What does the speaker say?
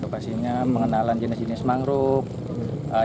pastinya pengenalan jenis jenis mangrove